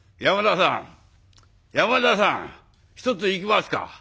「山田さん山田さん一ついきますか？」。